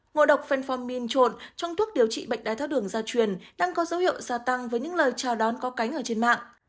ngộ độc fenformin trộn trong thuốc điều trị bệnh đai tháo đường ra truyền đang có dấu hiệu gia tăng với những lời chào đón có cánh ở trên mạng